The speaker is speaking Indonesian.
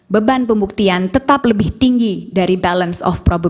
beban pembuktian tetap lebih tinggi dari balance